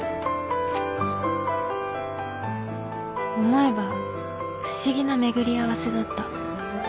「思えば不思議なめぐりあわせだった」